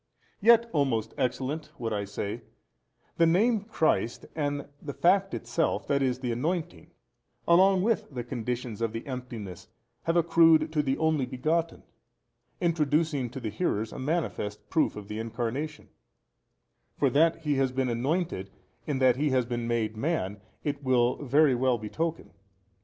Yet, o most excellent (would I say), the name Christ and the fact itself, that is, the Anointing, along with the conditions of the emptiness have accrued to the Only Begotten, introducing to the hearers a manifest proof of the Incarnation: for that He has been anointed in that He has been made man, it will very well betoken.